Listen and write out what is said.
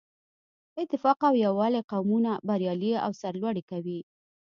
اتفاق او یووالی قومونه بریالي او سرلوړي کوي.